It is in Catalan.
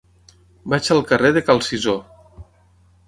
Vaig al carrer de Cal Cisó.